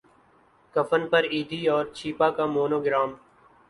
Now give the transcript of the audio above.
کفن پر ایدھی اور چھیپا کا مونو گرام